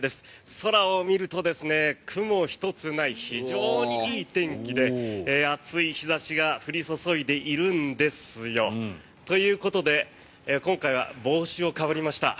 空を見ると雲一つない非常にいい天気で暑い日差しが降り注いでいるんですよ。ということで、今回は帽子をかぶりました。